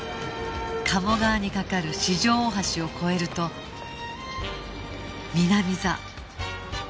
鴨川に架かる四条大橋を越えると南座